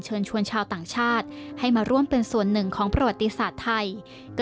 เชิญชวนชาวต่างชาติให้มาร่วมเป็นส่วนหนึ่งของประวัติศาสตร์ไทย